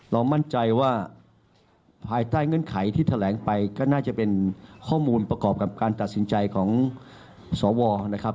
มั่นใจว่าภายใต้เงื่อนไขที่แถลงไปก็น่าจะเป็นข้อมูลประกอบกับการตัดสินใจของสวนะครับ